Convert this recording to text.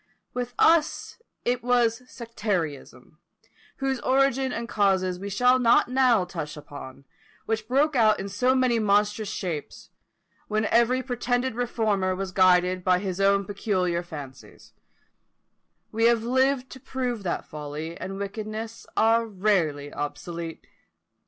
With us it was sectarism, whose origin and causes we shall not now touch on, which broke out into so many monstrous shapes, when every pretended reformer was guided by his own peculiar fancies: we have lived to prove that folly and wickedness are rarely obsolete.